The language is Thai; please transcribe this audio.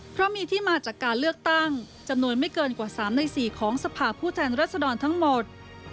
เพราะมีที่มาจากการเลือกตั้งจำนวนไม่เกินกว่า๓ใน๔ของสภาพผู้แทนรัศดรทั้งหมด